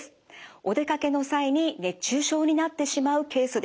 お出かけの際に熱中症になってしまうケースです。